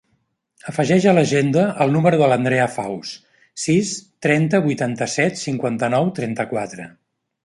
Afegeix a l'agenda el número de l'Andrea Faus: sis, trenta, vuitanta-sis, cinquanta-nou, trenta-quatre.